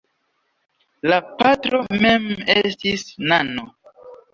La patro mem estis nano.